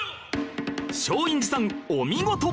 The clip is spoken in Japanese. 松陰寺さんお見事！